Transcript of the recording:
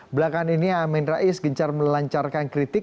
belakangan ini amin rais gencar melancarkan kritik